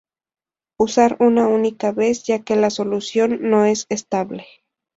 Usar una única vez ya que la solución no es estable.